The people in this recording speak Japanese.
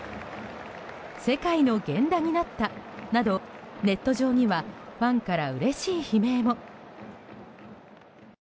世界の源田になったなどネット上にはファンからうれしい悲鳴も。